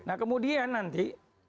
nah kemudian nanti